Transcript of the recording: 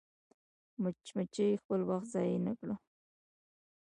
مچمچۍ خپل وخت ضایع نه کوي